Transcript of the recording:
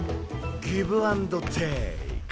ギブ・アンド・テイク。